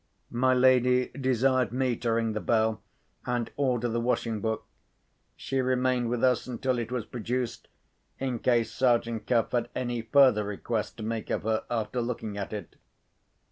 My lady desired me to ring the bell, and order the washing book. She remained with us until it was produced, in case Sergeant Cuff had any further request to make of her after looking at it.